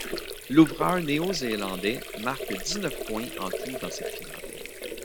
L'ouvreur Néo-Zélandais marque dix-neuf points en tout dans cette finale.